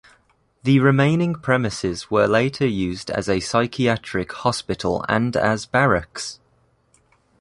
The remaining premises were later used as a psychiatric hospital and as barracks.